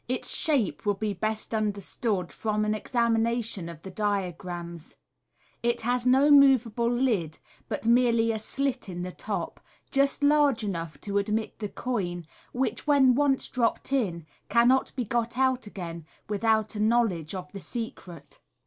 Its shape will be best understood from an exa mination of the diagrams. (See Figs. 86, 87.) It has no moveable lid, but merely a slit in the top, just large enough to admit the coin, which, when once dropped in, cannot be got out again without a knowledge of the secret.